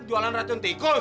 jualan racun tikus